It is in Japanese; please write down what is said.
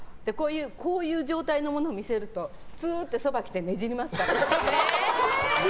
こういう状態のものを見せるとツーってそば来てねじりますからね。